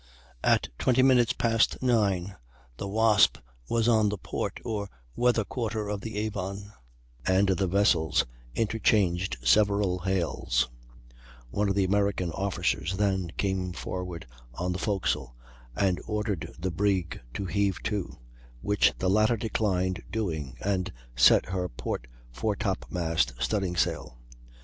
At 20 minutes past 9, the Wasp was on the port or weather quarter of the Avon, and the vessels interchanged several hails; one of the American officers then came forward on the forecastle and ordered the brig to heave to, which the latter declined doing, and set her port foretop mast studding sail.